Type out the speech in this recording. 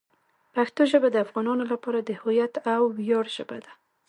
پښتو ژبه د افغانانو لپاره د هویت او ویاړ ژبه ده.